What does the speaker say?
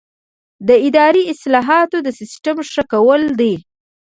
اداري اصلاحات د سیسټم ښه کول دي